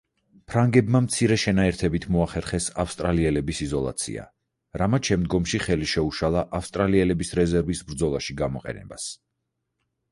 ფრანგებმა მცირე შენაერთებით მოახერხეს ავსტრიელების იზოლაცია, რამაც შემდგომში ხელი შეუშალა ავსტრიელების რეზერვის ბრძოლაში გამოყენებას.